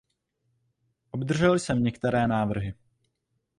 Obdržel jsem některé návrhy.